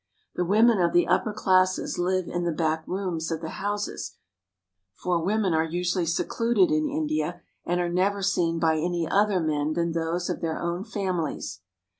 The women of the upper classes live in the back rooms of the houses, for women are usually secluded in India and are never seen by any other men than those of their own families.